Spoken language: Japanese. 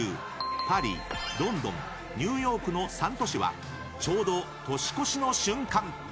パリ、ロンドン、ニューヨークの３都市はちょうど年越しの瞬間。